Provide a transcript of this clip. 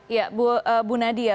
ya bu nadia